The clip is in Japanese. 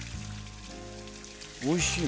おいしい。